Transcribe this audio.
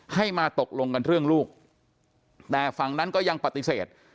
ให้มาตกลงกันเรื่องลูกแต่ฝั่งนั้นก็ยังปฏิเสธ